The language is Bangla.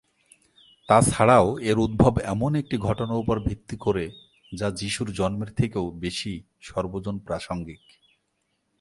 তা ছাড়াও এর উদ্ভব এমন একটি ঘটনার উপর ভিত্তি করে যা যীশুর জন্মের থেকেও বেশি সর্বজন প্রাসঙ্গিক।